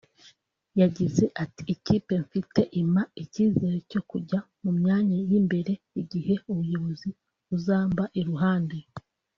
yagize ati "Ikipe mfite impa icyizere cyo kujya mu myanya y’imbere igihe ubuyobozi buzamba iruhande